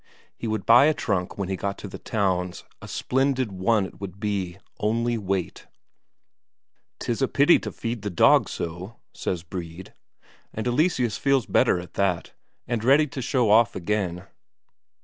He would buy a trunk when he got to the towns, a splendid one it should be, only wait! "'Tis a pity to feed the dog so," says Brede. And Eleseus feels better at that, and ready to show off again.